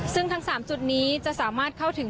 ซึ่งทั้ง๓จุดนี้จะสามารถเข้าถึง